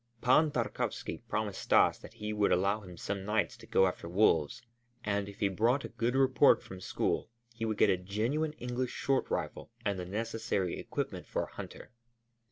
Pan Tarkowski promised Stas that he would allow him some nights to go after wolves, and if he brought a good report from school he would get a genuine English short rifle and the necessary equipment for a hunter.